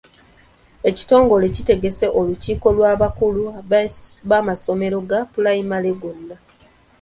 Ekitongole kitegese olukiiko lw'abakulu b'amasomero ga pulayimale gonna.